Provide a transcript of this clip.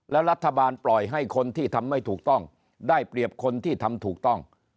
แล้วรัฐบาลปล่อยให้คนที่ทำไม่ถูกต้องได้เปรียบคนที่ทำถูกต้อง